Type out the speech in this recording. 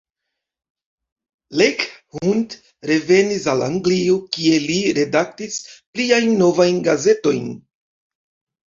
Leigh Hunt revenis al Anglio kie li redaktis pliajn novajn gazetojn.